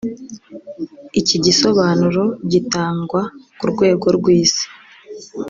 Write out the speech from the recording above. Iki gisobanuro gitangwa ku rwego rw’Isi